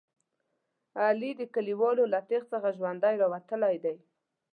علي د کلیوالو له تېغ څخه ژوندی وتلی دی.